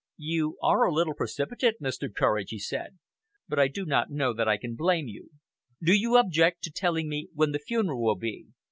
"You are a little precipitate, Mr. Courage," he said, "but I do not know that I can blame you. Do you object to telling me when the funeral will be?"